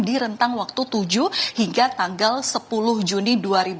di rentang waktu tujuh hingga tanggal sepuluh juni dua ribu dua puluh